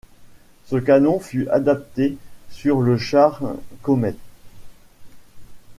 Ce canon fut adapté sur le char Comet.